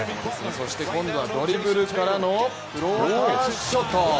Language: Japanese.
そして今度はドリブルからの、フローターショット。